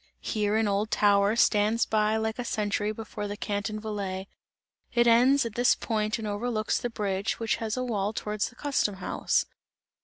Here an old tower stands like a sentry before the Canton Valais; it ends at this point and overlooks the bridge, which has a wall towards the custom house.